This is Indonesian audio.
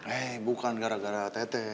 eh bukan gara gara ott